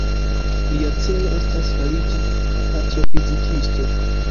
Lia celo estas fariĝi astrofizikisto.